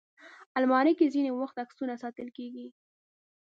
الماري کې ځینې وخت عکسونه ساتل کېږي